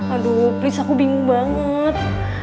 aduh pelece aku bingung banget